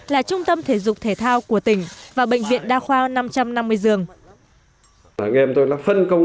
là trung tâm thể dục thể thao của tỉnh và bệnh viện đa khoa năm trăm năm mươi giường